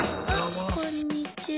あこんにちは。